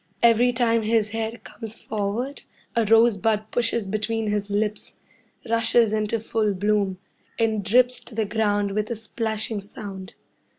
Every time his head comes forward a rosebud pushes between his lips, rushes into full bloom, and drips to the ground with a splashing sound.